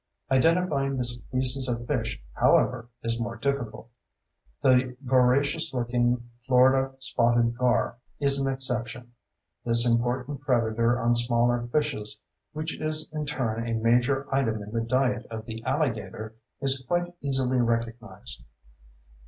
Identifying the species of fish, however, is more difficult. The voracious looking Florida spotted gar is an exception. This important predator on smaller fishes, which is in turn a major item in the diet of the alligator, is quite easily recognized.